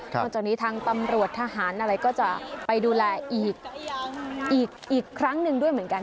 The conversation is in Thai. นอกจากนี้ทางตำรวจทหารอะไรก็จะไปดูแลอีกครั้งหนึ่งด้วยเหมือนกัน